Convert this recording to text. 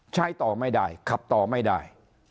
ใช้ต่อไม่ได้ขับต่อไม่ได้